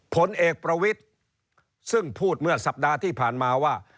ผลเอกประวิทย์ซึ่งพูดเมื่อสัปดาห์ที่ผ่านมาว่า